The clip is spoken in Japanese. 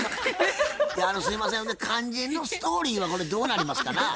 すいません肝心のストーリーはこれどうなりますかな？